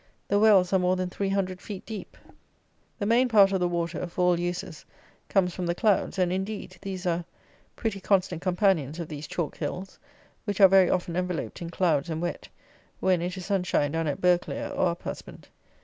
The wells are more than three hundred feet deep. The main part of the water, for all uses, comes from the clouds; and, indeed, these are pretty constant companions of these chalk hills, which are very often enveloped in clouds and wet, when it is sunshine down at Burghclere or Uphusband.